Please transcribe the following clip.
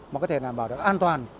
mà có thể làm bảo được an toàn